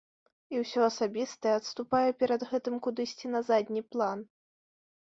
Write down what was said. І ўсё асабістае адступае перад гэтым кудысьці на задні план.